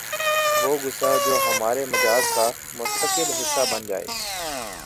وہ غصہ جو ہمارے مزاج کا مستقل حصہ بن جائے